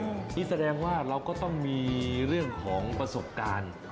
นี่แสดงว่าเราก็ต้องมีเรื่องของประสบการณ์